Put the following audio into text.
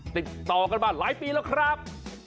ติดต่อกันมาหลายปีแล้วครับ